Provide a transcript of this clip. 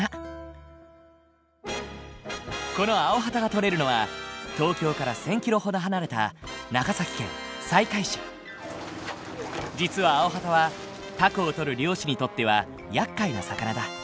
このアオハタが取れるのは東京から１，０００キロほど離れた実はアオハタはタコをとる漁師にとってはやっかいな魚だ。